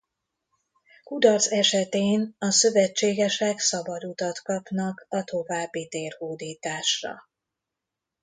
Kudarc esetén a szövetségesek szabad utat kapnak a további térhódításra.